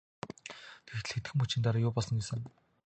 Тэгтэл хэдхэн мөчийн дараа юу болсон гэж санана.